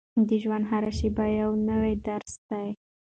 د ژوند هره شېبه یو نوی درس دی.